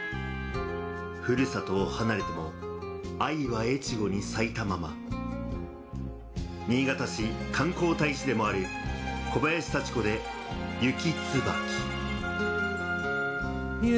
故郷を離れても愛は越後に咲いたまま新潟市観光大使でもある小林幸子で「雪椿」。